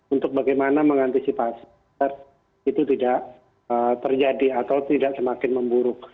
untuk bagaimana mengantisipasi itu tidak terjadi atau tidak semakin memburuk